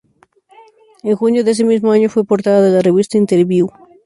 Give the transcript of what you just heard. En junio de ese mismo año, fue portada de la revista "Interviú".